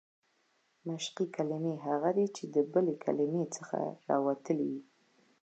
مشقي کلیمې هغه دي، چي د بلي کلیمې څخه راوتلي يي.